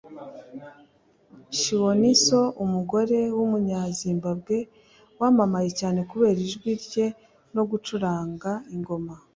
Chiwoniso umugore w’umunyazimbabwe wamamaye cyane kubera ijwi rye no gucuranga ingoma